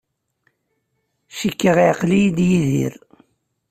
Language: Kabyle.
Cikkeɣ yeɛqel-iyi Yidir.